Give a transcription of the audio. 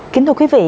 kính thưa quý vị